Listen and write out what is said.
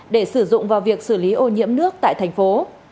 để sử dụng vào việc xử lý ô nhiễm nước tại thành phố